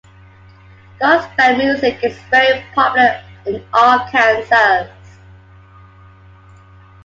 Gospel music is very popular in Arkansas.